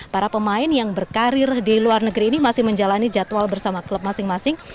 para pemain yang berkarir di luar negeri ini masih menjalani jadwal bersama klub masing masing